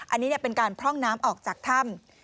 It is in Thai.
อันนี้เป็นการพร่องน้ำออกจากถ้ำ